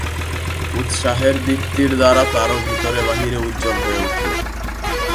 উৎসাহের দীপ্তির দ্বারা তারাও ভিতরে বাহিরে উজ্জ্বল হয়ে উঠল।